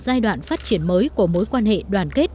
giai đoạn phát triển mới của mối quan hệ đoàn kết